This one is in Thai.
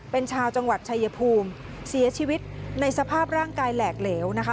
เป็นชาวจังหวัดชายภูมิเสียชีวิตในสภาพร่างกายแหลกเหลวนะคะ